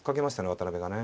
渡辺がね。